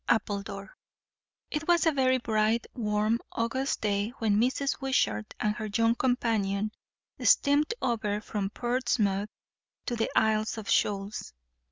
APPLEDORE. It was a very bright, warm August day when Mrs. Wishart and her young companion steamed over from Portsmouth to the Isles of Shoals.